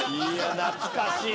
懐かしい。